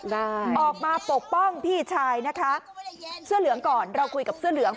ได้ออกมาปกป้องพี่ชายนะคะเสื้อเหลืองก่อนเราคุยกับเสื้อเหลือง